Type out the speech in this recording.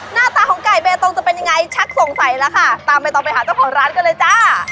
หน้าตาของไก่เบตงจะเป็นยังไงชักสงสัยแล้วค่ะตามใบตองไปหาเจ้าของร้านกันเลยจ้า